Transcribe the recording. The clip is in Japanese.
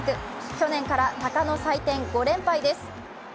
去年から鷹の祭典５連敗です。